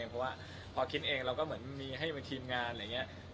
เพราะว่าพอคิดเองเราก็เหมือนมีให้เป็นทีมงานอะไรอย่างนี้